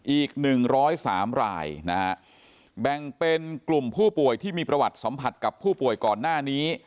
อีก๑๐๓รายนะฮะแบ่งเป็นกลุ่มผู้ป่วยที่มีประวัติสัมผัสกับผู้ป่วยก่อนหน้านี้